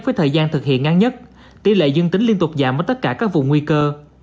với thời gian thực hiện ngắn nhất tỷ lệ dương tính liên tục giảm ở tất cả các vùng nguy cơ